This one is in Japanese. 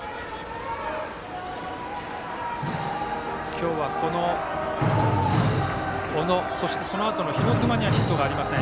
今日は、この小野そして、そのあとの日隈にはヒットがありません。